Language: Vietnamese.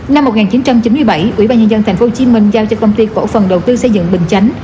năm một nghìn chín trăm chín mươi bảy ủy ban nhân dân tp hcm giao cho công ty cổ phần đầu tư xây dựng bình chánh